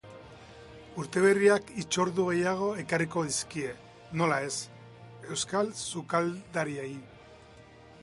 Urte berriak hitzordu gehiago ekarriko dizkie, nola ez, euskal sukaldariei.